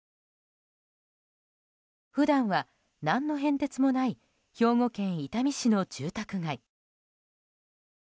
普段は何の変哲もない兵庫県伊丹市の住宅街。